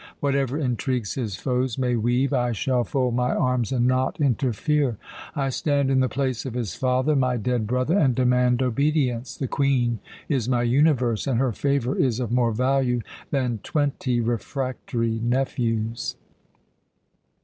Whatever intrigues his foes may weave, I shall fold my arms and not interfere. I stand in the place of his father, my dead brother, and demand obedience. The Queen is my universe, and her favour is of more value than twenty refractory nephews."